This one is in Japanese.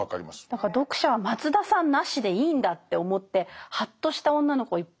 だから読者は松田さんなしでいいんだって思ってハッとした女の子いっぱいいると思います。